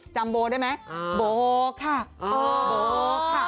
จำโบได้ไหมโบค่ะโบค่ะ